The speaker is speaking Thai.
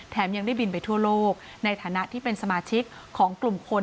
ยังได้บินไปทั่วโลกในฐานะที่เป็นสมาชิกของกลุ่มคน